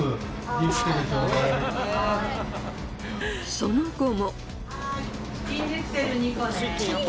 その後も。